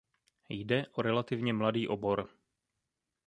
Jde o relativně mladý obor.